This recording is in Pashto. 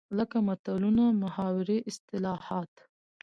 لکه متلونه، محاورې ،اصطلاحات